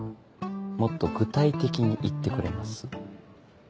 もっと具体的に言ってくれます？